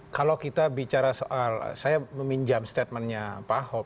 kalau kita bicara soal saya meminjam statementnya pak ahok